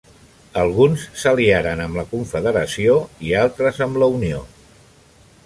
Alguns s'aliaren amb la Confederació i altres amb la Unió.